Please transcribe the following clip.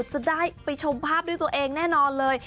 จะได้ไปชมภาพด้วยตัวเองแน่นอนเลย